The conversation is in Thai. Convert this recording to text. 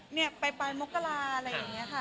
เนี้ยบ้ายมกราอะไรแบบนี้ค่ะ